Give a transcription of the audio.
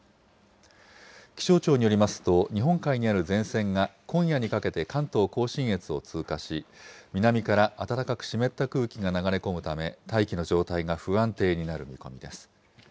気象庁によりますと、日本海にある前線が今夜にかけて関東甲信越を通過し、南から暖かく湿った空気が流れ込むため、大気の状態が不安定になる見込みです。